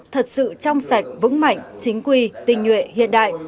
thật sự trong sạch vững mạnh chính quy tình nguyện hiện đại